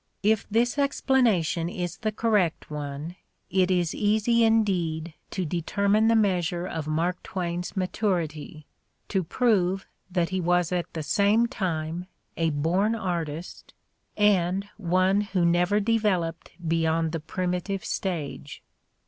If this explanation is the correct one, it is easy in deed to determine the measure of Mark Twain's maturity, to prove that he was at the same time a born artist and one who never developed beyond the primi tive stage.